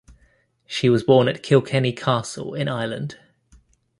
She was born at Kilkenny Castle in Ireland.